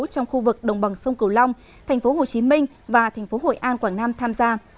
trong khu vực đồng bằng sông cửu long thành phố hồ chí minh và thành phố hội an quảng nam tham gia